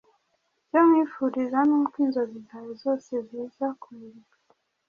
icyo nkwifuriza nuko inzozi zawe zose ziza kumurika